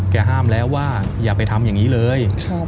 ห้ามแล้วว่าอย่าไปทำอย่างนี้เลย